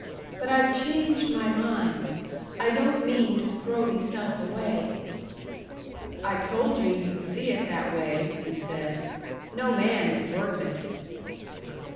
But I've changed my mind; I don't mean to throw meself away." "I told you you'd see it that way," he said. "No man is worth it."